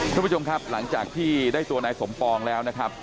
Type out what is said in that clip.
คุณผู้ชมครับหลังจากที่ได้ตัวนายสมปองแล้วนะครับ